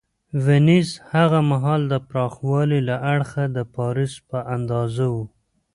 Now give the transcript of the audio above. وینز هغه مهال د پراخوالي له اړخه د پاریس په اندازه و